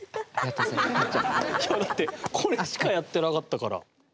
いやだってこれしかやってなかったから。